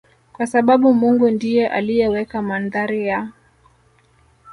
kwa sababu Mungu ndiye aliyeweka mandhari ya